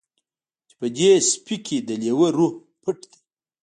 چې په دې سپي کې د لیوه روح پټ دی